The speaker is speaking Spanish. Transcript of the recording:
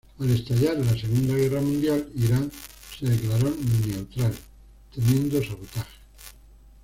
Al estallar la Segunda Guerra Mundial, Irán se declaró neutral, temiendo sabotajes.